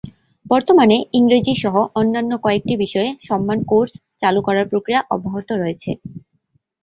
বর্তমানে ইংরেজি সহ অন্যান্য কয়েকটি বিষয়ে সম্মান কোর্স চালু করার প্রক্রিয়া অব্যাহত রয়েছে।